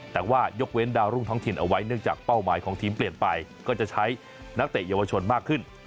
แต่ว่ายกเว้นดาวรุ่งท้องถิ่นเอาไว้เนื่องจากเป้าหมายของทีมเปลี่ยนไปก็จะใช้นักเตะเยาวชนมากขึ้น